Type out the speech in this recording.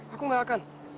aku nggak akan